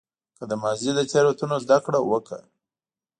که د ماضي له تېروتنو زده کړه وکړه.